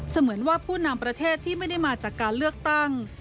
เหมือนว่าผู้นำประเทศที่ไม่ได้มาจากการเลือกตั้ง